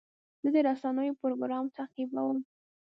زه د رسنیو پروګرام تعقیبوم.